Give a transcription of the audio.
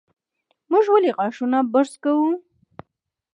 موږ ولې غاښونه برس کوو؟